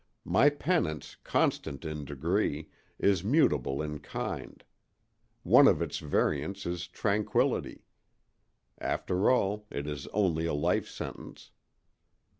My penance, constant in degree, is mutable in kind: one of its variants is tranquillity. After all, it is only a life sentence.